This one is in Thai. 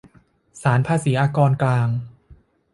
ศาลภาษีอากรกลาง